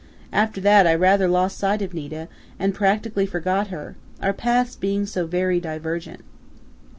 After that, I rather lost sight of Nita, and practically forgot her, our paths being so very divergent."